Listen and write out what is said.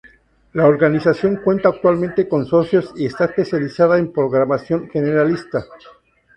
La organización cuenta actualmente con socios y está especializada en programación generalista.